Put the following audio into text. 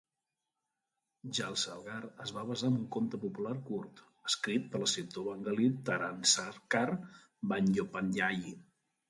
Jalsaghar es va basar en un conte popular curt, escrit per l'escriptor bengalí Tarasankar Bandyopadhyay.